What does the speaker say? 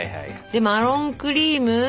でマロンクリーム。